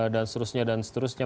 dan seterusnya dan seterusnya